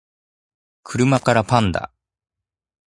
車からパンダ